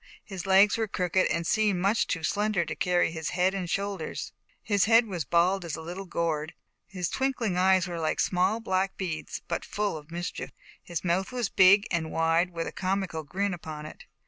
His legs were crooked and seemed much too slender to carry his head and shoulders. His head was bald as a little gourd. His twinkling eyes were like small black beads, but full of mischief. His mouth was big and wide, with a comical grin upon it.